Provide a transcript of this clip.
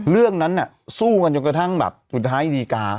เรื่องนั้นสู้กันจนกระทั่งแบบสุดท้ายดีกา